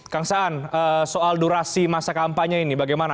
kang saan soal durasi masa kampanye ini bagaimana